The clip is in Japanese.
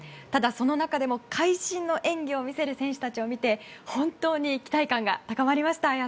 ただ、その中でも会心の演技を見せる選手たちを見て本当に期待感が高まりました。